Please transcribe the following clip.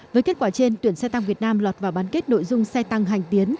với kết quả trên tuyển xe tăng việt nam lọt vào bán kết nội dung xe tăng hành tiến